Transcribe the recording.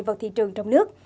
vào thị trường trong nước